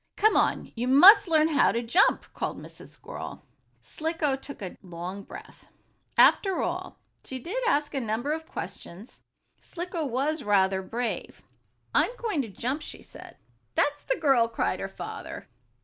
"Come on. You must learn to jump!" called Mrs. Squirrel. Slicko took a long breath. After all, though she did ask a number of questions, Slicko was rather brave. "I'm going to jump," she said. "That's the girl!" cried her father.